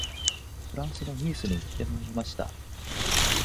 フランスのニースに行ってまいりました